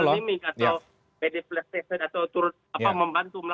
atau pdpf atau turut membantu melakukan